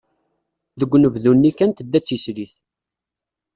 Deg unebdu-nni kan tedda d tislit.